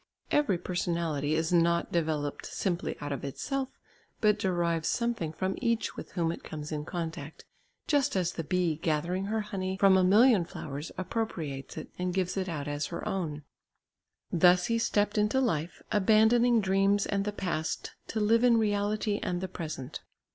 Every personality is not developed simply out of itself, but derives something from each with whom it comes in contact, just as the bee gathering her honey from a million flowers, appropriates it and gives it out as her own. Thus he stepped into life, abandoning dreams and the past to live in reality and the present.